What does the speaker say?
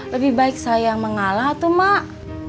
lebih baik saya yang mengalah tuh mak